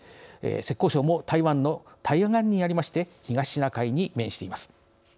浙江省も、台湾の対岸にありまして東シナ海に面しています。